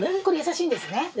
これ易しいんですね。